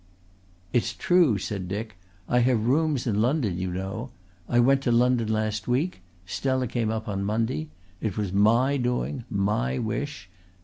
"It's true," said Dick. "I have rooms in London, you know. I went to London last week. Stella came up on Monday. It was my doing, my wish.